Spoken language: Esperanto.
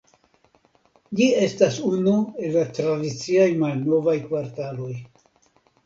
Ĝi estas unu el la tradiciaj malnovaj kvartaloj.